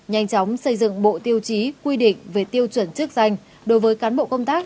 nhanh chóng xây dựng bộ tiêu chí quy định về tiêu chuẩn chức danh đối với cán bộ công tác